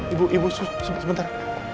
ibu ibu sebentar